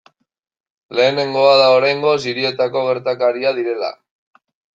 Lehenengoa da oraingoz hirietako gertakaria direla.